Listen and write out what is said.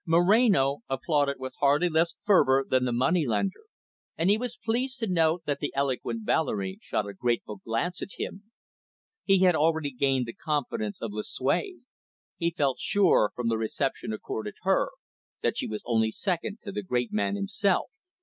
Moreno applauded with hardly less fervour than the moneylender, and he was pleased to note that the eloquent Valerie shot a grateful glance at him. He had already gained the confidence of Lucue. He felt sure, from the reception accorded her, that she was only second to the great man himself.